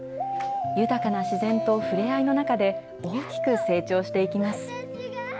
豊かな自然と触れ合いの中で、大きく成長していきます。